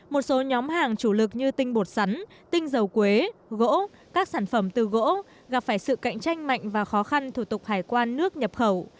một số nhóm hàng chủ lực như tinh bột sắn tinh dầu quế gỗ các sản phẩm từ gỗ gặp phải sự cạnh tranh mạnh và khó khăn thủ tục hải quan nước nhập khẩu